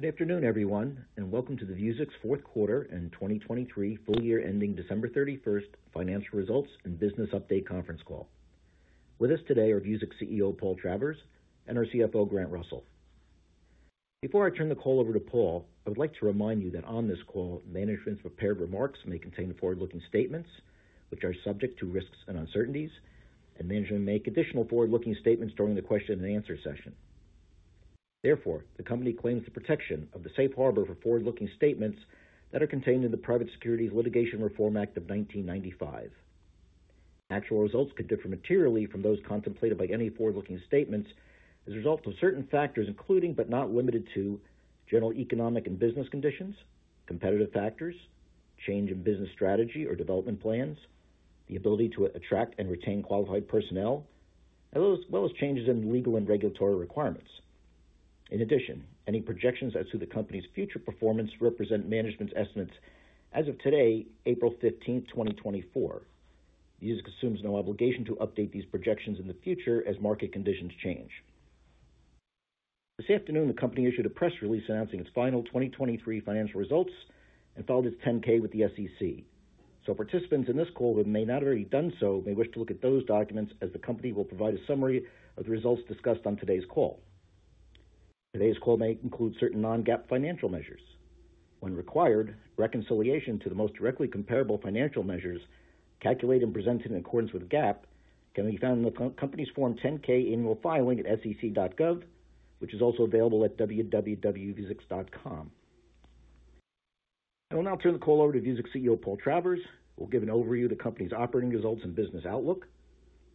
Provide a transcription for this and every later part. Good afternoon, everyone, and welcome to the Vuzix fourth quarter and 2023 full year ending December 31 financial results and business update conference call. With us today are Vuzix CEO, Paul Travers, and our CFO, Grant Russell. Before I turn the call over to Paul, I would like to remind you that on this call, management's prepared remarks may contain forward-looking statements which are subject to risks and uncertainties, and management may make additional forward-looking statements during the question and answer session. Therefore, the company claims the protection of the safe harbor for forward-looking statements that are contained in the Private Securities Litigation Reform Act of 1995. Actual results could differ materially from those contemplated by any forward-looking statements as a result of certain factors, including, but not limited to general economic and business conditions, competitive factors, change in business strategy or development plans, the ability to attract and retain qualified personnel, as well as changes in legal and regulatory requirements. In addition, any projections as to the company's future performance represent management's estimates as of today, April 15th, 2024. Vuzix assumes no obligation to update these projections in the future as market conditions change. This afternoon, the company issued a press release announcing its final 2023 financial results and filed its 10-K with the SEC. So participants in this call, who may not have already done so, may wish to look at those documents as the company will provide a summary of the results discussed on today's call. Today's call may include certain non-GAAP financial measures. When required, reconciliation to the most directly comparable financial measures, calculated and presented in accordance with GAAP, can be found in the company's Form 10-K annual filing at sec.gov, which is also available at www.vuzix.com. I will now turn the call over to Vuzix CEO Paul Travers, who will give an overview of the company's operating results and business outlook.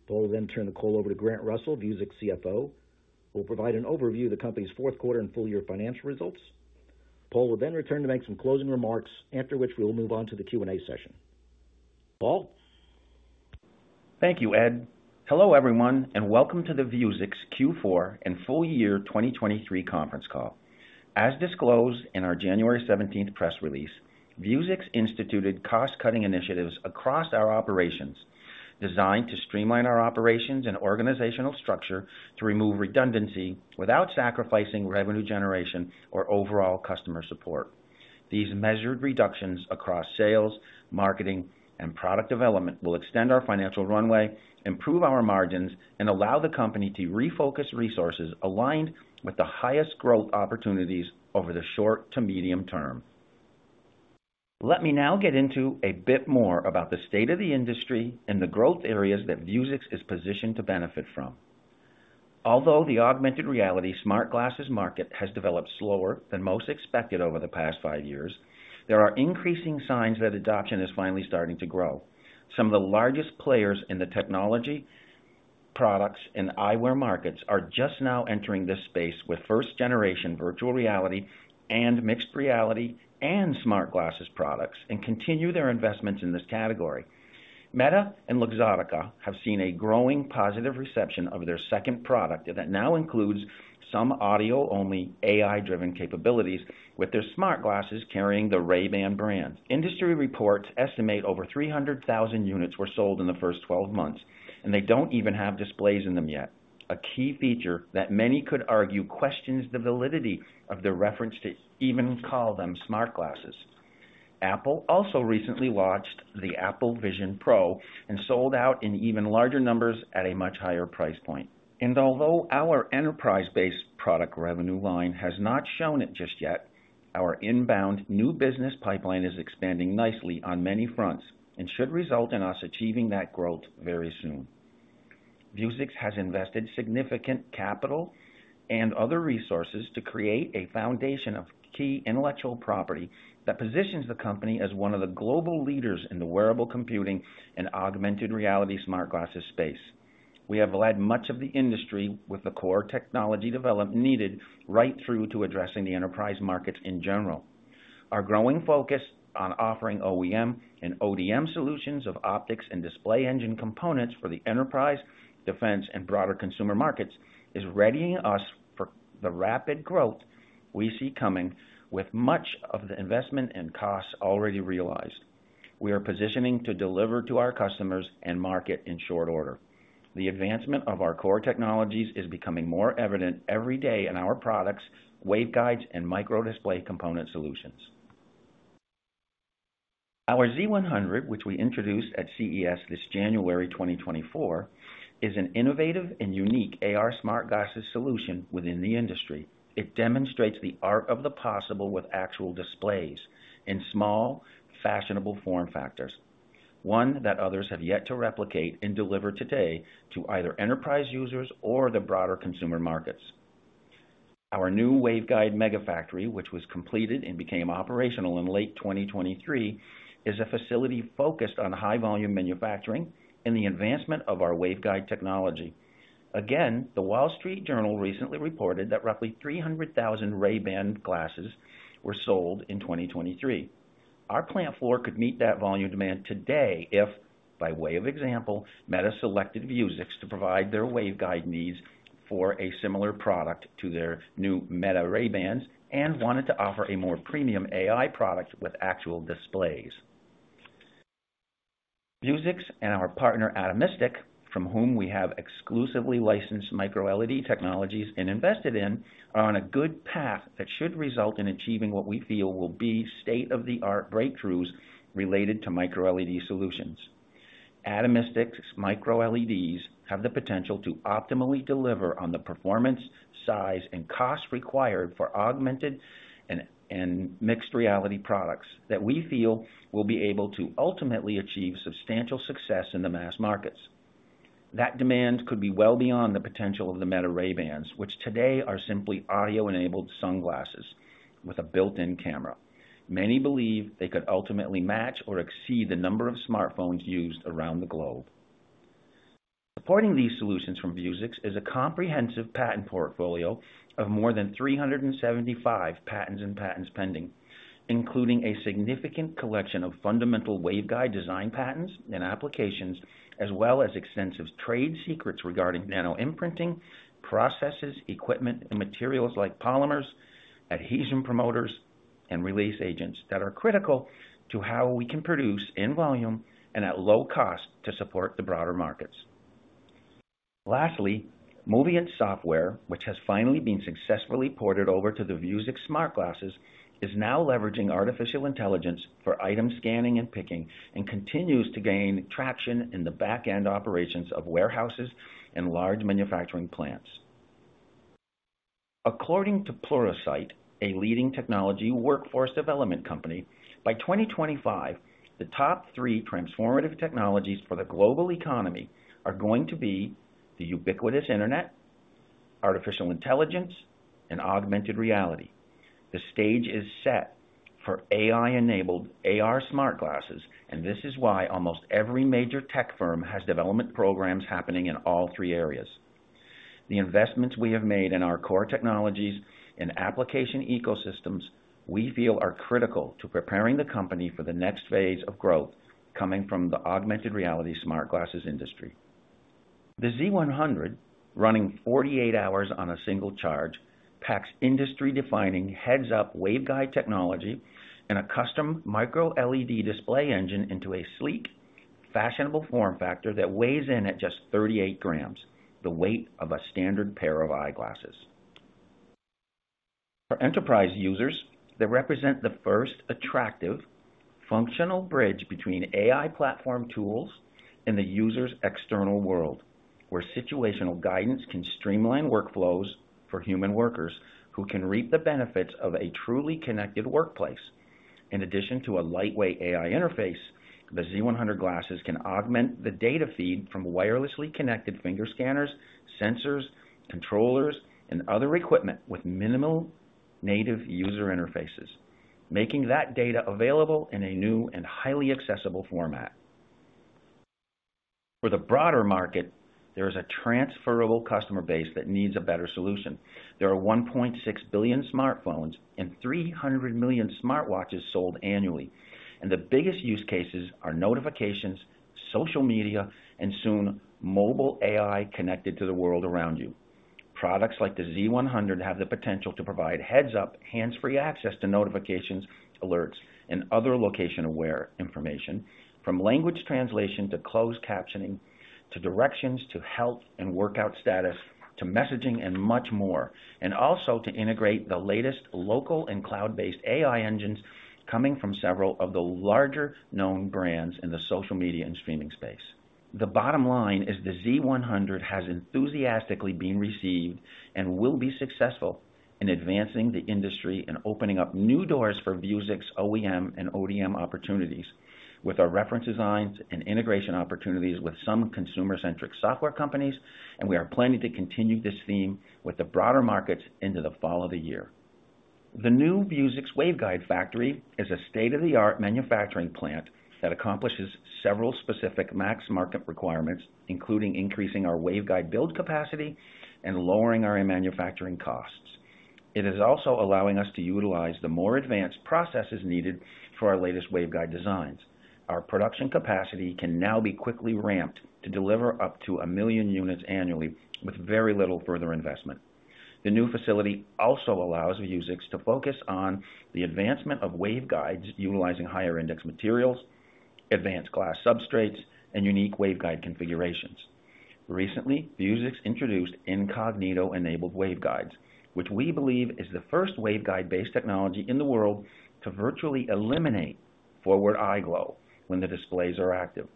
Paul will then turn the call over to Grant Russell, Vuzix CFO, who will provide an overview of the company's fourth quarter and full year financial results. Paul will then return to make some closing remarks, after which we will move on to the Q&A session. Paul? Thank you, Ed. Hello, everyone, and welcome to the Vuzix Q4 and full year 2023 conference call. As disclosed in our January 17th press release, Vuzix instituted cost-cutting initiatives across our operations, designed to streamline our operations and organizational structure to remove redundancy without sacrificing revenue generation or overall customer support. These measured reductions across sales, marketing, and product development will extend our financial runway, improve our margins, and allow the company to refocus resources aligned with the highest growth opportunities over the short to medium term. Let me now get into a bit more about the state of the industry and the growth areas that Vuzix is positioned to benefit from. Although the augmented reality smart glasses market has developed slower than most expected over the past five years, there are increasing signs that adoption is finally starting to grow. Some of the largest players in the technology, products and eyewear markets are just now entering this space with first generation virtual reality and mixed reality and smart glasses products, and continue their investments in this category. Meta and Luxottica have seen a growing positive reception of their second product that now includes some audio-only, AI-driven capabilities with their smart glasses carrying the Ray-Ban brand. Industry reports estimate over 300,000 units were sold in the first 12 months, and they don't even have displays in them yet. A key feature that many could argue questions the validity of their reference to even call them smart glasses. Apple also recently launched the Apple Vision Pro and sold out in even larger numbers at a much higher price point. Although our enterprise-based product revenue line has not shown it just yet, our inbound new business pipeline is expanding nicely on many fronts and should result in us achieving that growth very soon. Vuzix has invested significant capital and other resources to create a foundation of key intellectual property that positions the company as one of the global leaders in the wearable computing and augmented reality smart glasses space. We have led much of the industry with the core technology development needed right through to addressing the enterprise markets in general. Our growing focus on offering OEM and ODM solutions of optics and display engine components for the enterprise, defense, and broader consumer markets is readying us for the rapid growth we see coming with much of the investment and costs already realized. We are positioning to deliver to our customers and market in short order. The advancement of our core technologies is becoming more evident every day in our products, waveguides, and microdisplay component solutions. Our Z100, which we introduced at CES this January 2024, is an innovative and unique AR smart glasses solution within the industry. It demonstrates the art of the possible with actual displays in small, fashionable form factors, one that others have yet to replicate and deliver today to either enterprise users or the broader consumer markets. Our new waveguide mega factory, which was completed and became operational in late 2023, is a facility focused on high volume manufacturing and the advancement of our waveguide technology. Again, the Wall Street Journal recently reported that roughly 300,000 Ray-Ban glasses were sold in 2023. Our plant floor could meet that volume demand today if, by way of example, Meta selected Vuzix to provide their waveguide needs for a similar product to their new Meta Ray-Ban and wanted to offer a more premium AI product with actual displays. Vuzix and our partner, Atomistic, from whom we have exclusively licensed microLED technologies and invested in, are on a good path that should result in achieving what we feel will be state-of-the-art breakthroughs related to microLED solutions. Atomistic's microLEDs have the potential to optimally deliver on the performance, size, and cost required for augmented and mixed reality products that we feel will be able to ultimately achieve substantial success in the mass markets. That demand could be well beyond the potential of the Meta Ray-Ban, which today are simply audio-enabled sunglasses with a built-in camera. Many believe they could ultimately match or exceed the number of smartphones used around the globe. Supporting these solutions from Vuzix is a comprehensive patent portfolio of more than 375 patents and patents pending, including a significant collection of fundamental waveguide design patents and applications, as well as extensive trade secrets regarding nanoimprinting, processes, equipment, and materials like polymers, adhesion promoters, and release agents that are critical to how we can produce in volume and at low cost to support the broader markets. Lastly, Moviynt software, which has finally been successfully ported over to the Vuzix Smart Glasses, is now leveraging artificial intelligence for item scanning and picking, and continues to gain traction in the back-end operations of warehouses and large manufacturing plants. According to Pluralsight, a leading technology workforce development company, by 2025, the top three transformative technologies for the global economy are going to be the ubiquitous internet, artificial intelligence, and augmented reality. The stage is set for AI-enabled AR smart glasses, and this is why almost every major tech firm has development programs happening in all three areas. The investments we have made in our core technologies and application ecosystems, we feel are critical to preparing the company for the next phase of growth coming from the augmented reality smart glasses industry. The Z100, running 48 hours on a single charge, packs industry-defining heads-up waveguide technology and a custom microLED display engine into a sleek, fashionable form factor that weighs in at just 38 grams, the weight of a standard pair of eyeglasses. For enterprise users, they represent the first attractive, functional bridge between AI platform tools and the user's external world, where situational guidance can streamline workflows for human workers who can reap the benefits of a truly connected workplace. In addition to a lightweight AI interface, the Z100 glasses can augment the data feed from wirelessly connected finger scanners, sensors, controllers, and other equipment with minimal native user interfaces, making that data available in a new and highly accessible format. For the broader market, there is a transferable customer base that needs a better solution. There are 1.6 billion smartphones and 300 million smartwatches sold annually, and the biggest use cases are notifications, social media, and soon, mobile AI connected to the world around you. Products like the Z100 have the potential to provide heads-up, hands-free access to notifications, alerts, and other location-aware information, from language translation to closed captioning, to directions, to health and workout status, to messaging and much more, and also to integrate the latest local and cloud-based AI engines coming from several of the larger known brands in the social media and streaming space. The bottom line is the Z100 has enthusiastically been received and will be successful in advancing the industry and opening up new doors for Vuzix's OEM and ODM opportunities with our reference designs and integration opportunities with some consumer-centric software companies, and we are planning to continue this theme with the broader markets into the fall of the year. The new Vuzix waveguide factory is a state-of-the-art manufacturing plant that accomplishes several specific mass market requirements, including increasing our waveguide build capacity and lowering our manufacturing costs. It is also allowing us to utilize the more advanced processes needed for our latest waveguide designs. Our production capacity can now be quickly ramped to deliver up to 1 million units annually with very little further investment. The new facility also allows Vuzix to focus on the advancement of waveguides utilizing higher index materials, advanced glass substrates, and unique waveguide configurations. Recently, Vuzix introduced Incognito-enabled waveguides, which we believe is the first waveguide-based technology in the world to virtually eliminate forward eye glow when the displays are active.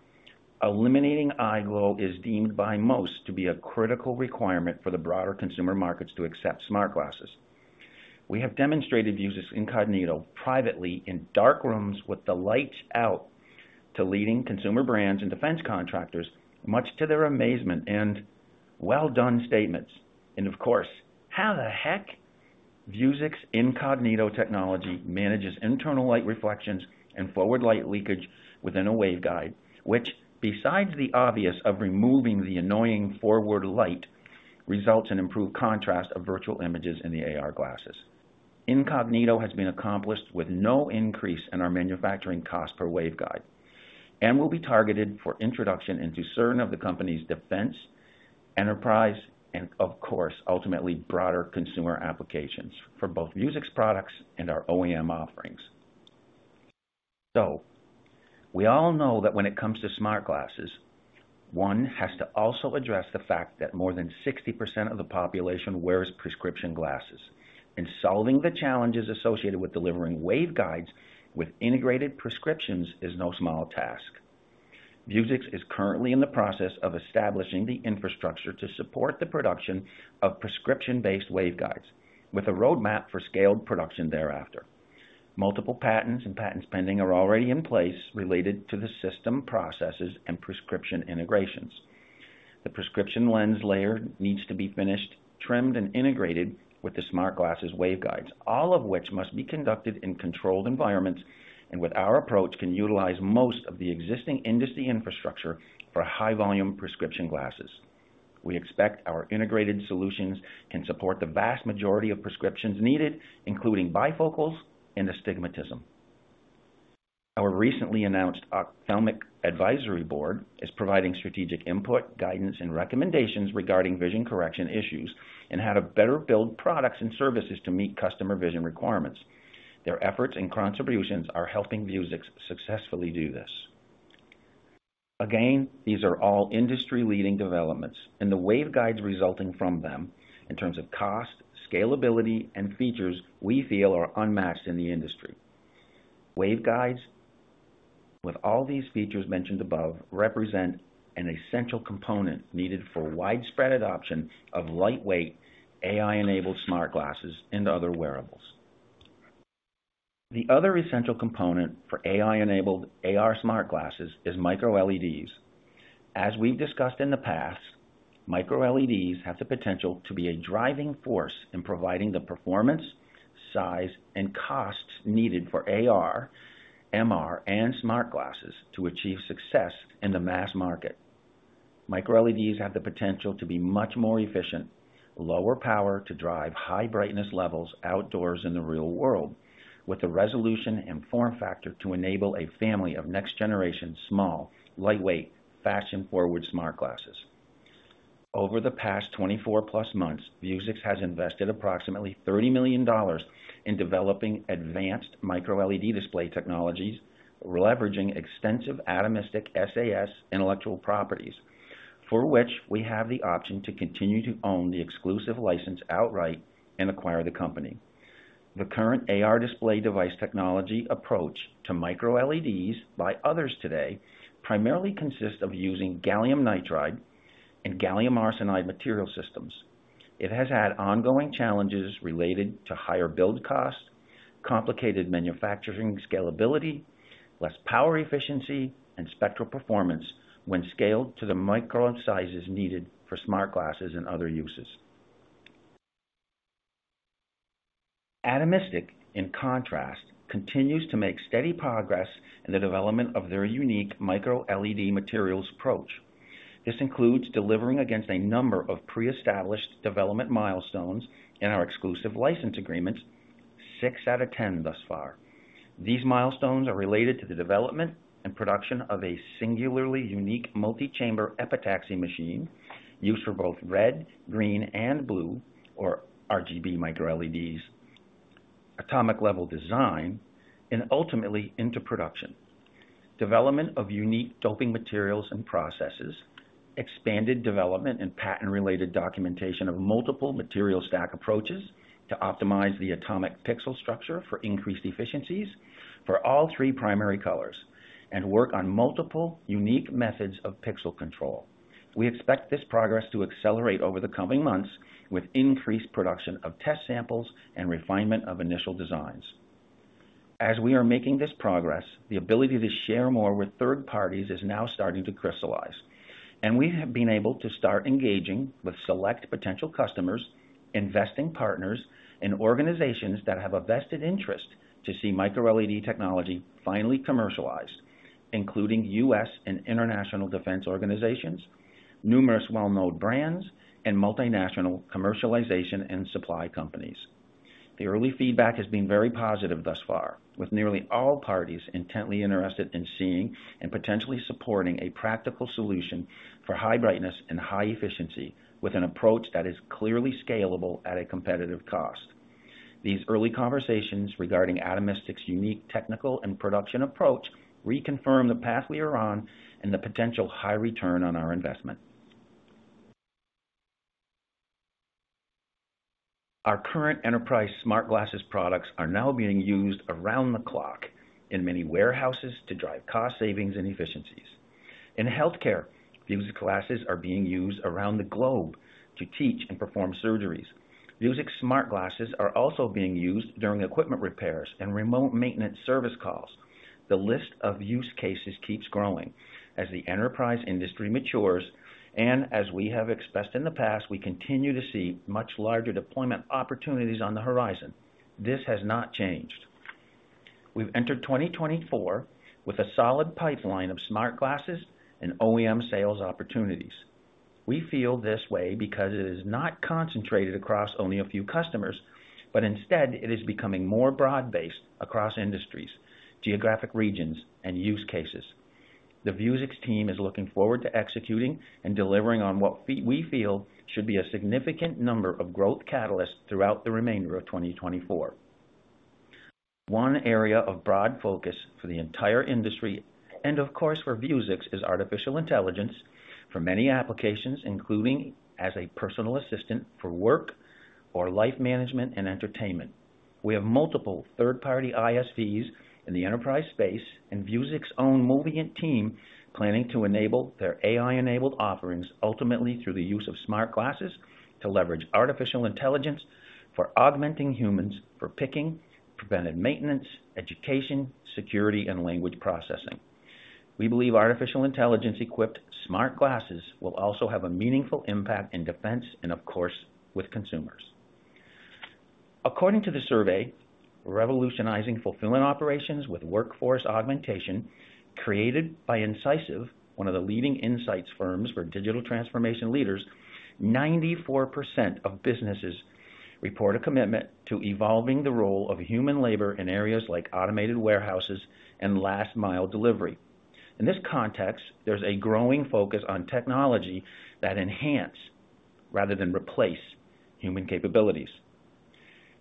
Eliminating eye glow is deemed by most to be a critical requirement for the broader consumer markets to accept smart glasses. We have demonstrated Vuzix Incognito privately in dark rooms with the lights out to leading consumer brands and defense contractors, much to their amazement and well done statements. And of course, how the heck? Vuzix Incognito technology manages internal light reflections and forward light leakage within a waveguide, which, besides the obvious of removing the annoying forward light, results in improved contrast of virtual images in the AR glasses. Incognito has been accomplished with no increase in our manufacturing cost per waveguide and will be targeted for introduction into certain of the company's defense, enterprise, and, of course, ultimately broader consumer applications for both Vuzix products and our OEM offerings. So we all know that when it comes to smart glasses, one has to also address the fact that more than 60% of the population wears prescription glasses, and solving the challenges associated with delivering waveguides with integrated prescriptions is no small task. Vuzix is currently in the process of establishing the infrastructure to support the production of prescription-based waveguides, with a roadmap for scaled production thereafter. Multiple patents and patents pending are already in place related to the system, processes, and prescription integrations. The prescription lens layer needs to be finished, trimmed, and integrated with the smart glasses waveguides, all of which must be conducted in controlled environments, and with our approach, can utilize most of the existing industry infrastructure for high-volume prescription glasses. We expect our integrated solutions can support the vast majority of prescriptions needed, including bifocals and astigmatism. Our recently announced Ophthalmic Advisory Board is providing strategic input, guidance, and recommendations regarding vision correction issues and how to better build products and services to meet customer vision requirements. Their efforts and contributions are helping Vuzix successfully do this. Again, these are all industry-leading developments, and the waveguides resulting from them, in terms of cost, scalability, and features, we feel are unmatched in the industry. Waveguides, with all these features mentioned above, represent an essential component needed for widespread adoption of lightweight, AI-enabled smart glasses and other wearables. The other essential component for AI-enabled AR smart glasses is micro-LEDs. As we've discussed in the past, micro-LEDs have the potential to be a driving force in providing the performance, size, and costs needed for AR, MR, and smart glasses to achieve success in the mass market. Micro-LEDs have the potential to be much more efficient, lower power to drive high brightness levels outdoors in the real world, with the resolution and form factor to enable a family of next-generation, small, lightweight, fashion-forward smart glasses. Over the past 24+ months, Vuzix has invested approximately $30 million in developing advanced micro-LED display technologies, leveraging extensive Atomistic SAS intellectual properties, for which we have the option to continue to own the exclusive license outright and acquire the company. The current AR display device technology approach to micro-LEDs by others today primarily consists of using gallium nitride and gallium arsenide material systems. It has had ongoing challenges related to higher build costs, complicated manufacturing scalability, less power efficiency, and spectral performance when scaled to the micro sizes needed for smart glasses and other uses. Atomistic, in contrast, continues to make steady progress in the development of their unique micro-LED materials approach. This includes delivering against a number of pre-established development milestones in our exclusive license agreement, 6 out of 10 thus far. These milestones are related to the development and production of a singularly unique multi-chamber epitaxy machine used for both red, green, and blue, or RGB micro-LEDs, atomic level design, and ultimately into production. Development of unique doping materials and processes, expanded development and patent-related documentation of multiple material stack approaches to optimize the atomic pixel structure for increased efficiencies for all three primary colors, and work on multiple unique methods of pixel control. We expect this progress to accelerate over the coming months with increased production of test samples and refinement of initial designs. As we are making this progress, the ability to share more with third parties is now starting to crystallize, and we have been able to start engaging with select potential customers, investing partners, and organizations that have a vested interest to see micro-LED technology finally commercialized, including U.S. and international defense organizations, numerous well-known brands, and multinational commercialization and supply companies. The early feedback has been very positive thus far, with nearly all parties intently interested in seeing and potentially supporting a practical solution for high brightness and high efficiency, with an approach that is clearly scalable at a competitive cost. These early conversations regarding Atomistic's unique technical and production approach reconfirm the path we are on and the potential high return on our investment. Our current enterprise smart glasses products are now being used around the clock in many warehouses to drive cost savings and efficiencies. In healthcare, Vuzix glasses are being used around the globe to teach and perform surgeries. Vuzix smart glasses are also being used during equipment repairs and remote maintenance service calls. The list of use cases keeps growing as the enterprise industry matures, and as we have expressed in the past, we continue to see much larger deployment opportunities on the horizon. This has not changed. We've entered 2024 with a solid pipeline of smart glasses and OEM sales opportunities. We feel this way because it is not concentrated across only a few customers, but instead it is becoming more broad-based across industries, geographic regions, and use cases.... The Vuzix team is looking forward to executing and delivering on what we feel should be a significant number of growth catalysts throughout the remainder of 2024. One area of broad focus for the entire industry, and of course, for Vuzix, is artificial intelligence for many applications, including as a personal assistant for work or life management and entertainment. We have multiple third-party ISVs in the enterprise space, and Vuzix's own Moviynt team planning to enable their AI-enabled offerings, ultimately through the use of smart glasses, to leverage artificial intelligence for augmenting humans, for picking, preventive maintenance, education, security, and language processing. We believe artificial intelligence-equipped smart glasses will also have a meaningful impact in defense and, of course, with consumers. According to the survey, Revolutionizing Fulfillment Operations with Workforce Augmentation, created by Incisiv, one of the leading insights firms for digital transformation leaders, 94% of businesses report a commitment to evolving the role of human labor in areas like automated warehouses and last-mile delivery. In this context, there's a growing focus on technology that enhance, rather than replace, human capabilities.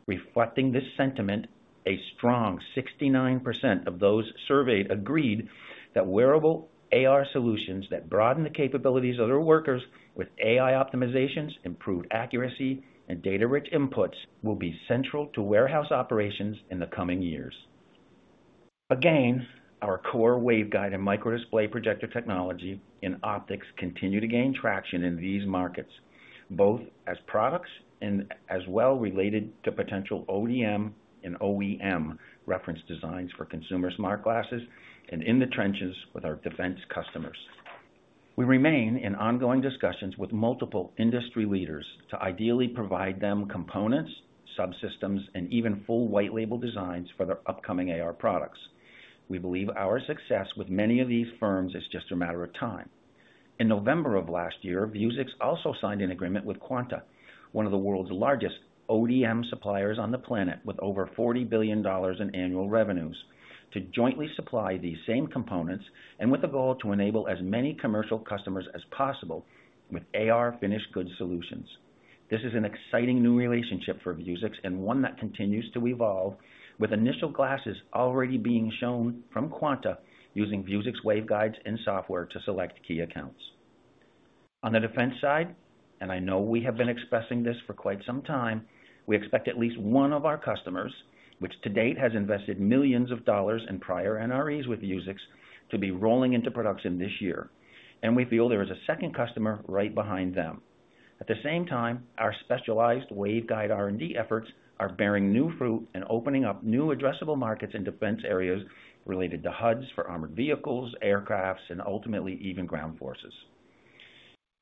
Reflecting this sentiment, a strong 69% of those surveyed agreed that wearable AR solutions that broaden the capabilities of their workers with AI optimizations, improved accuracy, and data-rich inputs will be central to warehouse operations in the coming years. Again, our core waveguide and microdisplay projector technology in optics continue to gain traction in these markets, both as products and as well related to potential ODM and OEM reference designs for consumer smart glasses and in the trenches with our defense customers. We remain in ongoing discussions with multiple industry leaders to ideally provide them components, subsystems, and even full white label designs for their upcoming AR products. We believe our success with many of these firms is just a matter of time. In November of last year, Vuzix also signed an agreement with Quanta, one of the world's largest ODM suppliers on the planet, with over $40 billion in annual revenues, to jointly supply these same components and with a goal to enable as many commercial customers as possible with AR finished goods solutions. This is an exciting new relationship for Vuzix and one that continues to evolve, with initial glasses already being shown from Quanta using Vuzix waveguides and software to select key accounts. On the defense side, and I know we have been expressing this for quite some time, we expect at least one of our customers, which to date has invested $ millions in prior NREs with Vuzix, to be rolling into production this year, and we feel there is a second customer right behind them. At the same time, our specialized waveguide R&D efforts are bearing new fruit and opening up new addressable markets in defense areas related to HUDs for armored vehicles, aircraft, and ultimately, even ground forces.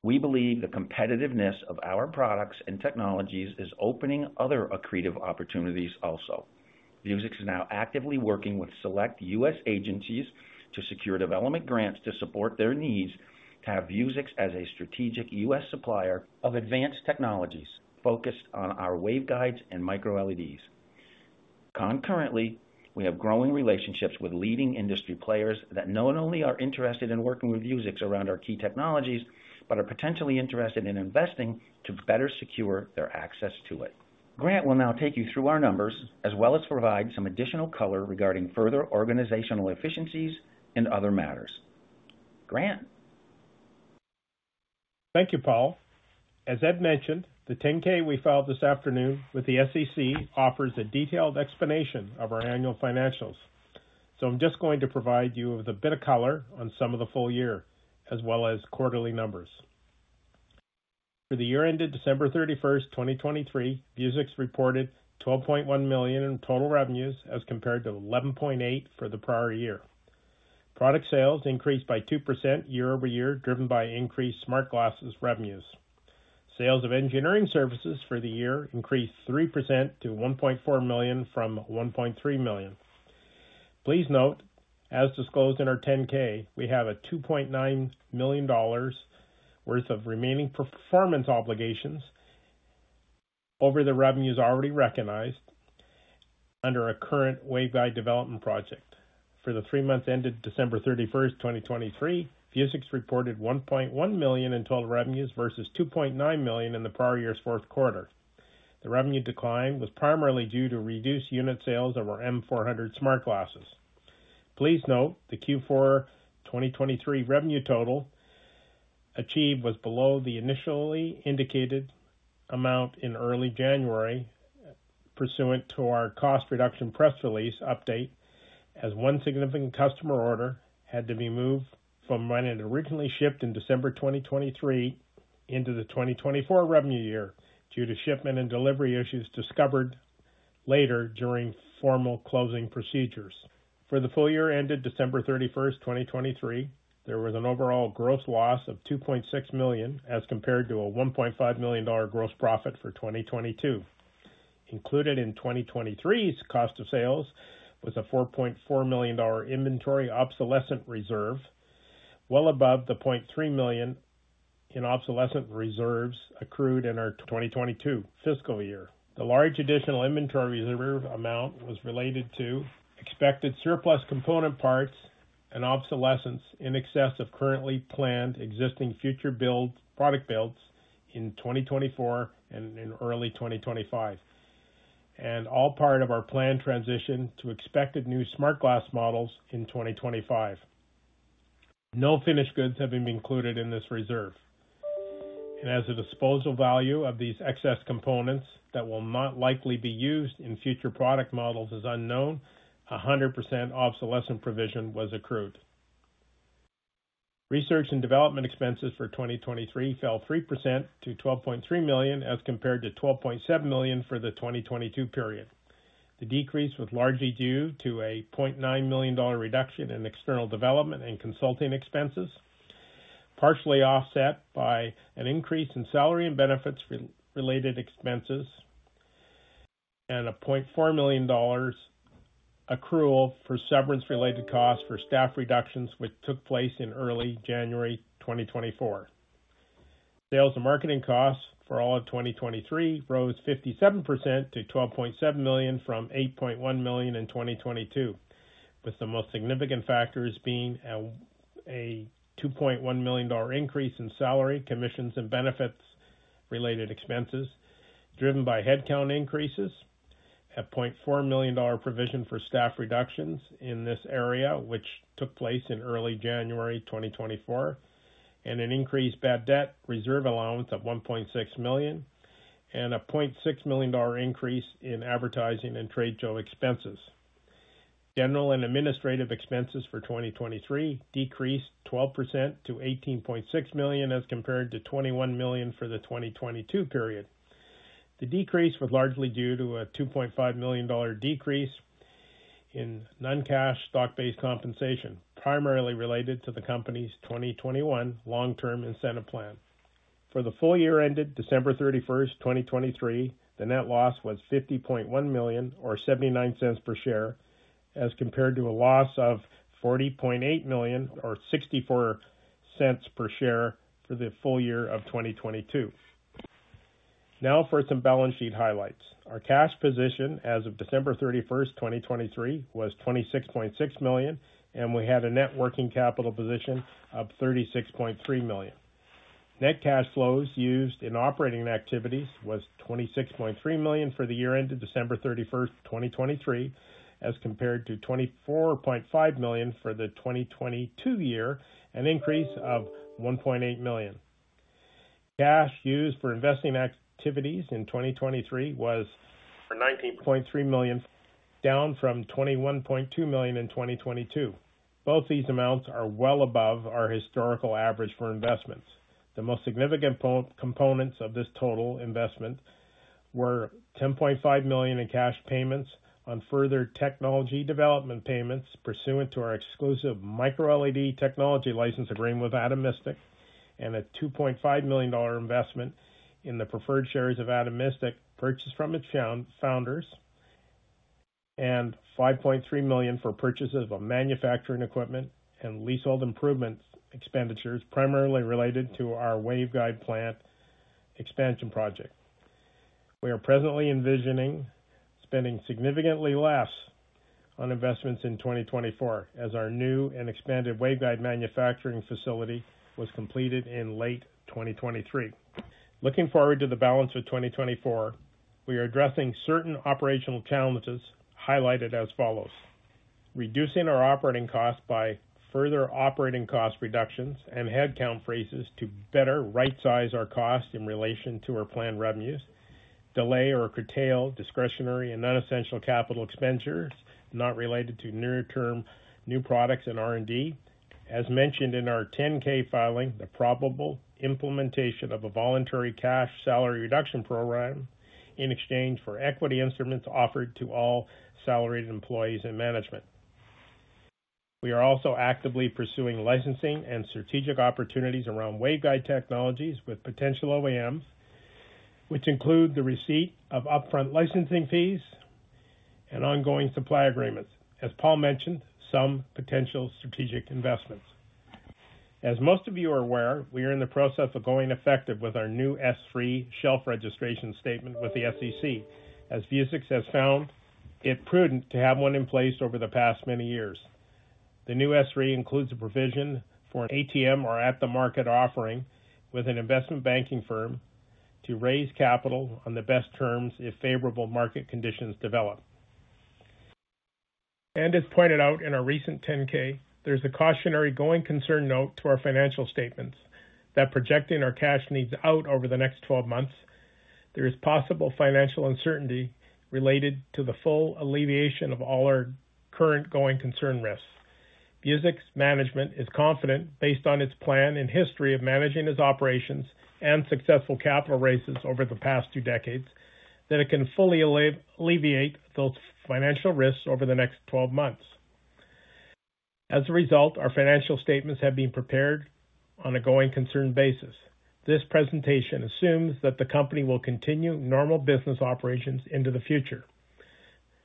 We believe the competitiveness of our products and technologies is opening other accretive opportunities also. Vuzix is now actively working with select U.S. agencies to secure development grants to support their needs to have Vuzix as a strategic U.S. supplier of advanced technologies focused on our waveguides and micro LEDs. Concurrently, we have growing relationships with leading industry players that not only are interested in working with Vuzix around our key technologies, but are potentially interested in investing to better secure their access to it. Grant will now take you through our numbers, as well as provide some additional color regarding further organizational efficiencies and other matters. Grant? Thank you, Paul. As Ed mentioned, the 10-K we filed this afternoon with the SEC offers a detailed explanation of our annual financials. So I'm just going to provide you with a bit of color on some of the full year, as well as quarterly numbers. For the year ended December 31, 2023, Vuzix reported $12.1 million in total revenues, as compared to $11.8 million for the prior year. Product sales increased by 2% year-over-year, driven by increased smart glasses revenues. Sales of engineering services for the year increased 3% to $1.4 million from $1.3 million. Please note, as disclosed in our 10-K, we have a $2.9 million worth of remaining performance obligations over the revenues already recognized under our current waveguide development project. For the three months ended December 31, 2023, Vuzix reported $1.1 million in total revenues versus $2.9 million in the prior year's fourth quarter. The revenue decline was primarily due to reduced unit sales of our M400 smart glasses. Please note, the Q4 2023 revenue total achieved was below the initially indicated amount in early January, pursuant to our cost reduction press release update, as one significant customer order had to be moved from when it originally shipped in December 2023 into the 2024 revenue year, due to shipment and delivery issues discovered later during formal closing procedures. For the full year ended December 31, 2023, there was an overall gross loss of $2.6 million, as compared to a $1.5 million gross profit for 2022. Included in 2023's cost of sales was a $4.4 million inventory obsolescence reserve, well above the $0.3 million in obsolescence reserves accrued in our 2022 fiscal year. The large additional inventory reserve amount was related to expected surplus component parts and obsolescence in excess of currently planned existing future build, product builds in 2024 and in early 2025, and all part of our planned transition to expected new smart glass models in 2025. No finished goods have been included in this reserve. As a disposal value of these excess components that will not likely be used in future product models is unknown, a 100% obsolescence provision was accrued. Research and development expenses for 2023 fell 3% to $12.3 million, as compared to $12.7 million for the 2022 period. The decrease was largely due to a $0.9 million reduction in external development and consulting expenses, partially offset by an increase in salary and benefits-related expenses, and a $0.4 million accrual for severance-related costs for staff reductions, which took place in early January 2024. Sales and marketing costs for all of 2023 rose 57% to $12.7 million from $8.1 million in 2022, with the most significant factors being a $2.1 million increase in salary, commissions, and benefits related expenses, driven by headcount increases, a $0.4 million provision for staff reductions in this area, which took place in early January 2024, and an increased bad debt reserve allowance of $1.6 million, and a $0.6 million increase in advertising and trade show expenses. General and administrative expenses for 2023 decreased 12% to $18.6 million, as compared to $21 million for the 2022 period. The decrease was largely due to a $2.5 million dollar decrease in non-cash stock-based compensation, primarily related to the company's 2021 Long-Term Incentive Plan. For the full year ended December 31st, 2023, the net loss was $50.1 million, or $0.79 per share, as compared to a loss of $40.8 million, or $0.64 per share for the full year of 2022. Now for some balance sheet highlights. Our cash position as of December 31st, 2023, was $26.6 million, and we had a net working capital position of $36.3 million. Net cash flows used in operating activities was $26.3 million for the year ended December 31, 2023, as compared to $24.5 million for the 2022 year, an increase of $1.8 million. Cash used for investing activities in 2023 was $19.3 million, down from $21.2 million in 2022. Both these amounts are well above our historical average for investments. The most significant components of this total investment were $10.5 million in cash payments on further technology development payments pursuant to our exclusive micro-LED technology license agreement with Atomistic, and a $2.5 million investment in the preferred shares of Atomistic purchased from its founders, and $5.3 million for purchases of manufacturing equipment and leasehold improvement expenditures, primarily related to our waveguide plant expansion project. We are presently envisioning spending significantly less on investments in 2024 as our new and expanded waveguide manufacturing facility was completed in late 2023. Looking forward to the balance of 2024, we are addressing certain operational challenges highlighted as follows: reducing our operating costs by further operating cost reductions and headcount freezes to better rightsize our costs in relation to our planned revenues, delay or curtail discretionary and non-essential capital expenditures not related to near-term new products and R&D. As mentioned in our 10-K filing, the probable implementation of a voluntary cash salary reduction program in exchange for equity instruments offered to all salaried employees and management. We are also actively pursuing licensing and strategic opportunities around waveguide technologies with potential OEMs, which include the receipt of upfront licensing fees and ongoing supply agreements. As Paul mentioned, some potential strategic investments. As most of you are aware, we are in the process of going effective with our new S-3 shelf registration statement with the SEC, as Vuzix has found it prudent to have one in place over the past many years. The new S-3 includes a provision for an ATM or at-the-market offering with an investment banking firm to raise capital on the best terms if favorable market conditions develop. As pointed out in our recent 10-K, there's a cautionary going concern note to our financial statements that projecting our cash needs out over the next 12 months, there is possible financial uncertainty related to the full alleviation of all our current going concern risks. Vuzix's management is confident, based on its plan and history of managing its operations and successful capital raises over the past two decades, that it can fully alleviate those financial risks over the next 12 months. As a result, our financial statements have been prepared on a going concern basis. This presentation assumes that the company will continue normal business operations into the future.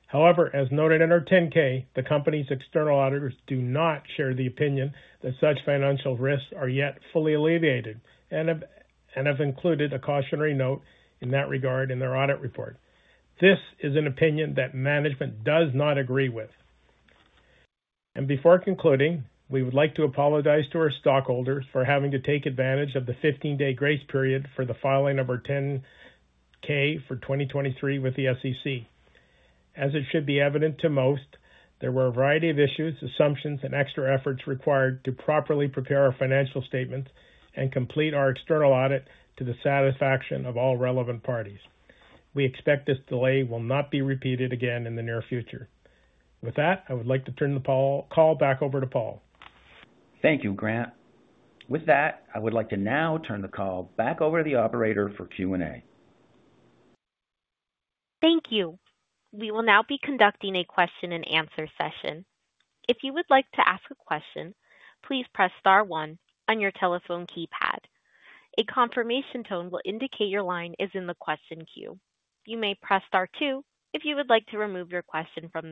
However, as noted in our 10-K, the company's external auditors do not share the opinion that such financial risks are yet fully alleviated and have included a cautionary note in that regard in their audit report. This is an opinion that management does not agree with. Before concluding, we would like to apologize to our stockholders for having to take advantage of the 15-day grace period for the filing of our 10-K for 2023 with the SEC. As it should be evident to most, there were a variety of issues, assumptions, and extra efforts required to properly prepare our financial statements and complete our external audit to the satisfaction of all relevant parties. We expect this delay will not be repeated again in the near future. With that, I would like to turn the call back over to Paul. Thank you, Grant. With that, I would like to now turn the call back over to the operator for Q&A. Thank you. We will now be conducting a question-and-answer session. If you would like to ask a question, please press star one on your telephone keypad. A confirmation tone will indicate your line is in the question queue. You may press star two if you would like to remove your question from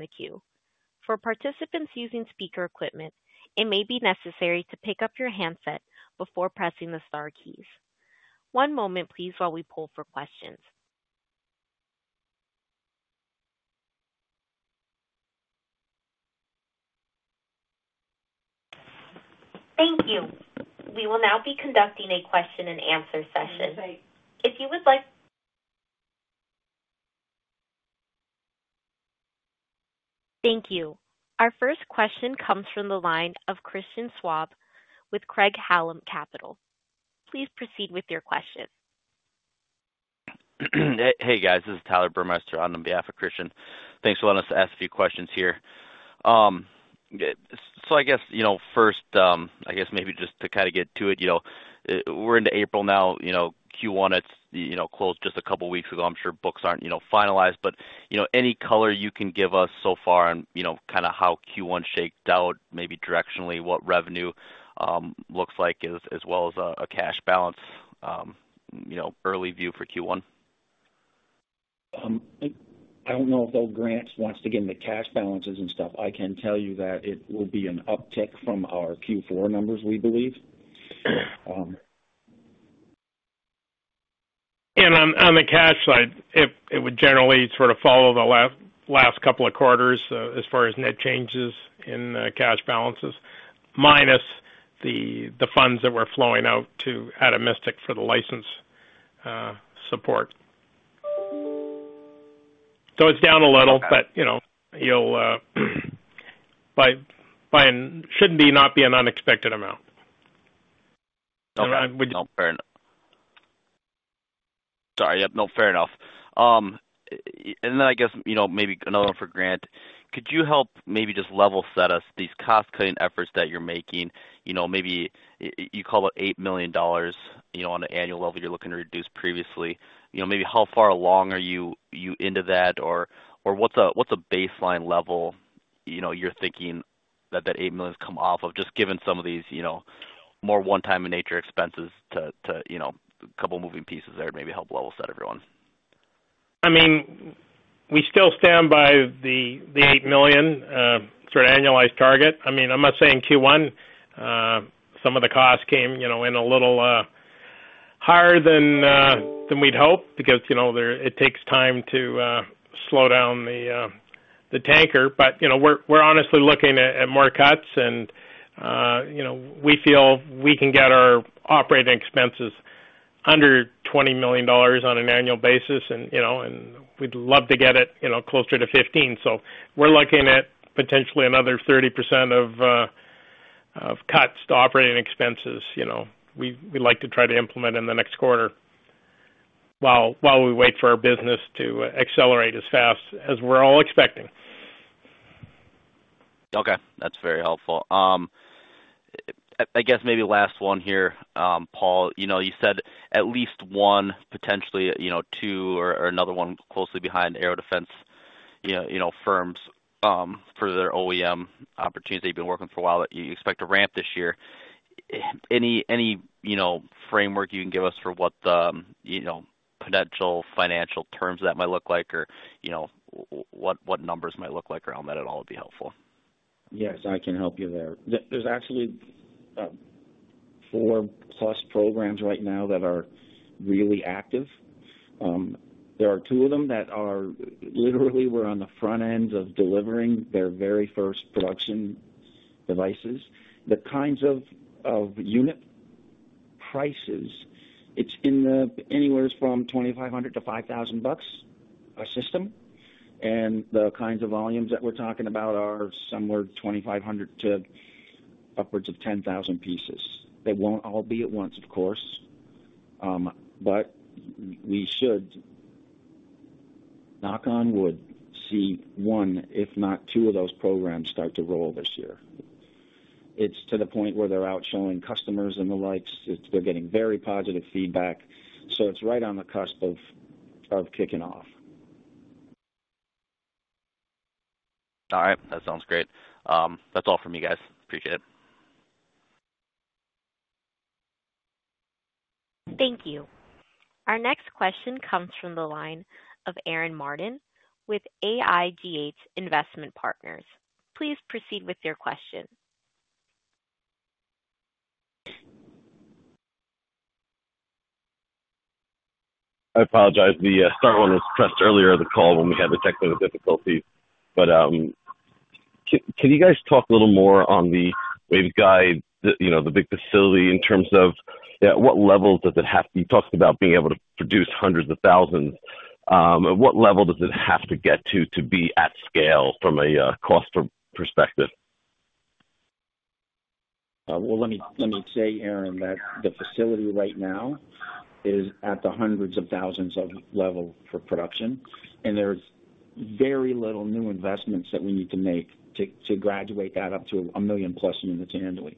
the queue. For participants using speaker equipment, it may be necessary to pick up your handset before pressing the star keys. One moment, please, while we pull for questions. Thank you. Our first question comes from the line of Christian Schwab with Craig-Hallum Capital. Please proceed with your question. Hey, guys, this is Tyler Burmeister on behalf of Christian. Thanks for letting us ask a few questions here. So I guess, you know, first, I guess maybe just to kind of get to it, you know, we're into April now, you know, Q1, it's, you know, closed just a couple of weeks ago. I'm sure books aren't, you know, finalized, but, you know, any color you can give us so far on, you know, kind of how Q1 shaked out, maybe directionally, what revenue looks like, as well as a cash balance, you know, early view for Q1? I don't know if, though, Grant wants to get into cash balances and stuff. I can tell you that it will be an uptick from our Q4 numbers, we believe. And on the cash side, it would generally sort of follow the last couple of quarters as far as net changes in the cash balances, minus the funds that were flowing out to Atomistic for the license support. So it's down a little, but you know, it shouldn't be an unexpected amount. Okay. No, fair enough. Sorry. Yep, no, fair enough. And then I guess, you know, maybe another one for Grant. Could you help maybe just level set us these cost-cutting efforts that you're making? You know, maybe you call it $8 million, you know, on an annual level, you're looking to reduce previously. You know, maybe how far along are you into that or what's a baseline level, you know, you're thinking that that $8 million has come off of just given some of these, you know, more one-time in nature expenses to, you know, a couple moving pieces there to maybe help level set everyone? I mean, we still stand by the eight million sort of annualized target. I mean, I'm not saying Q1 some of the costs came, you know, in a little higher than than we'd hoped, because, you know, there, it takes time to slow down the tanker. But, you know, we're honestly looking at more cuts and, you know, we feel we can get our operating expenses under $20 million on an annual basis, and, you know, we'd love to get it, you know, closer to $15 million. So we're looking at potentially another 30% of cuts to operating expenses, you know, we'd like to try to implement in the next quarter, while we wait for our business to accelerate as fast as we're all expecting. Okay, that's very helpful. I guess maybe last one here, Paul. You know, you said at least one, potentially, you know, two or another one closely behind aero defense firms for their OEM opportunities that you've been working for a while, that you expect to ramp this year. Any framework you can give us for what the potential financial terms that might look like, or what numbers might look like around that at all would be helpful. Yes, I can help you there. There's actually four plus programs right now that are really active. There are two of them that are literally, we're on the front end of delivering their very first production devices. The kinds of, of unit prices, it's in the anywhere from $2,500 to $5,000 a system, and the kinds of volumes that we're talking about are somewhere 2,500 to upwards of 10,000 pieces. They won't all be at once, of course, but we should, knock on wood, see one, if not two of those programs start to roll this year. It's to the point where they're out showing customers and the likes. It's. They're getting very positive feedback, so it's right on the cusp of, of kicking off. All right. That sounds great. That's all from me, guys. Appreciate it. Thank you. Our next question comes from the line of Aaron Martin with AIGH Investment Partners. Please proceed with your question. I apologize. The star one was pressed earlier in the call when we had the technical difficulty. But can you guys talk a little more on the waveguide, the you know the big facility in terms of yeah what levels does it have? You talked about being able to produce hundreds of thousands. At what level does it have to get to to be at scale from a cost perspective? Well, let me, let me say, Aaron, that the facility right now is at the hundreds of thousands of level for production, and there's very little new investments that we need to make to, to graduate that up to a million plus units annually.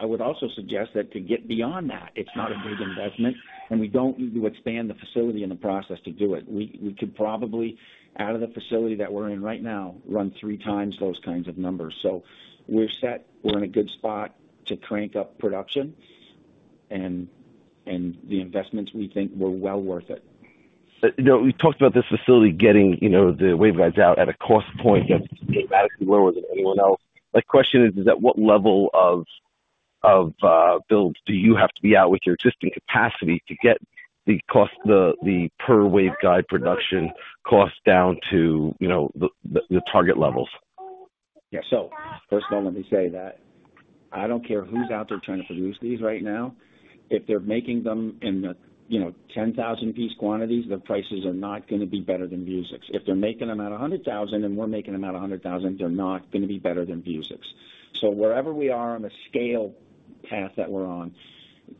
I would also suggest that to get beyond that, it's not a big investment, and we don't need to expand the facility in the process to do it. We could probably, out of the facility that we're in right now, run three times those kinds of numbers. So we're set. We're in a good spot to crank up production and the investments we think were well worth it. You know, we talked about this facility getting, you know, the waveguides out at a cost point that's dramatically lower than anyone else. My question is, at what level of builds do you have to be at with your existing capacity to get the cost, the per waveguide production cost down to, you know, the target levels? Yeah. So first of all, let me say that I don't care who's out there trying to produce these right now. If they're making them in the, you know, 10,000 piece quantities, their prices are not gonna be better than Vuzix. If they're making them at a 100,000 and we're making them at a 100,000, they're not gonna be better than Vuzix. So wherever we are on the scale path that we're on,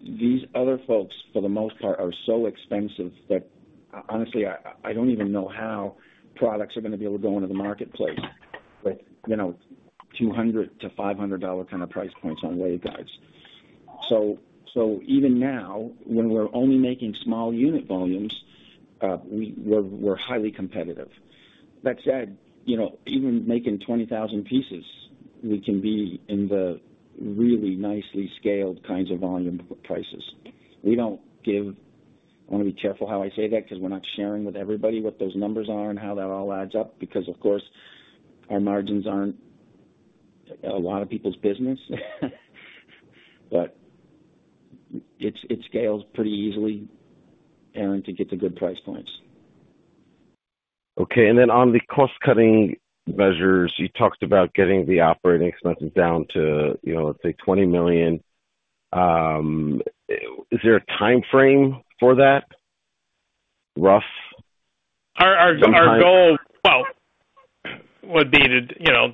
these other folks, for the most part, are so expensive that honestly, I don't even know how products are gonna be able to go into the marketplace with, you know, $200-$500 kind of price points on waveguides. So even now, when we're only making small unit volumes, we're highly competitive. That said, you know, even making 20,000 pieces, we can be in the really nicely scaled kinds of volume prices. We don't give... I wanna be careful how I say that, 'cause we're not sharing with everybody what those numbers are and how that all adds up, because, of course, our margins aren't a lot of people's business. But it's, it scales pretty easily, Aaron, to get to good price points. Okay. And then on the cost-cutting measures, you talked about getting the operating expenses down to, you know, let's say $20 million. Is there a timeframe for that, rough? Our goal, well, would be to, you know,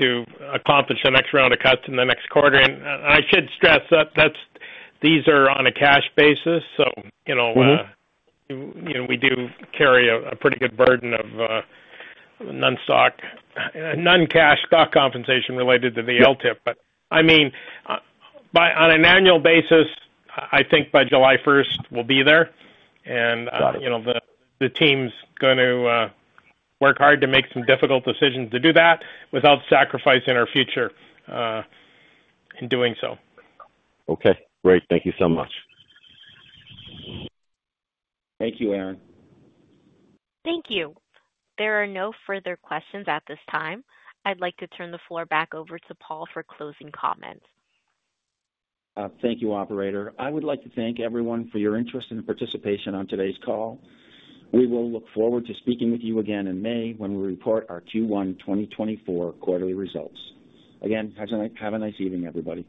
to accomplish the next round of cuts in the next quarter. And I should stress that these are on a cash basis, so, you know- Mm-hmm. You know, we do carry a pretty good burden of non-cash stock compensation related to the LTIP. But I mean, by, on an annual basis, I think by July first we'll be there. Got it. You know, the team's going to work hard to make some difficult decisions to do that without sacrificing our future, in doing so. Okay, great. Thank you so much. Thank you, Aaron. Thank you. There are no further questions at this time. I'd like to turn the floor back over to Paul for closing comments. Thank you, operator. I would like to thank everyone for your interest and participation on today's call. We will look forward to speaking with you again in May when we report our Q1 2024 quarterly results. Again, have a nice evening, everybody.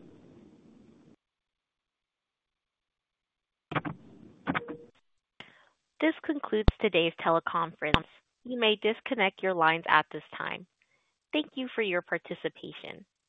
This concludes today's teleconference. You may disconnect your lines at this time. Thank you for your participation.